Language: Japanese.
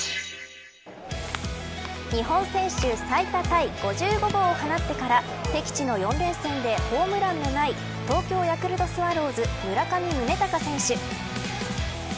日本選手最多タイ５５号を放ってから敵地の４連戦でホームランのない東京ヤクルトスワローズ村上宗隆選手。